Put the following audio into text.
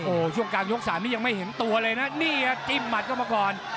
โอ้โหช่วงกลางยก๓นี้ยังไม่เห็นตัวเลยนะนี่ครับจิ้มหมัดเข้ามาก่อน